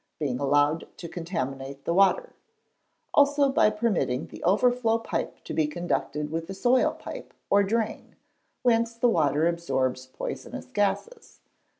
being allowed to contaminate the water; also by permitting the overflow pipe to be connected with the soil pipe, or drain, whence the water absorbs poisonous gases.